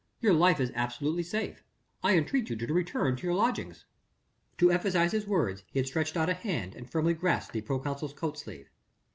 Your life is absolutely safe.... I entreat you to return to your lodgings...." To emphasise his words he had stretched out a hand and firmly grasped the proconsul's coat sleeve.